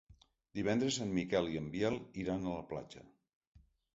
Divendres en Miquel i en Biel iran a la platja.